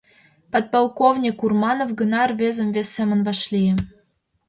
Подполковник Урманов гына рвезым вес семын вашлие.